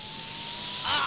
ああ！